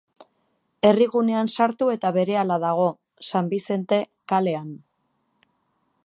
Herrigunean sartu eta berehala dago, San Bizente kalean.